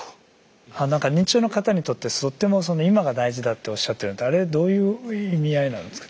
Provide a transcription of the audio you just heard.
なんか認知症の方にとってとっても今が大事だっておっしゃってるのってあれどういう意味合いなんですか？